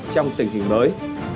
trong tình hình mới